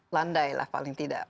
landai lah paling tidak